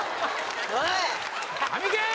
おい！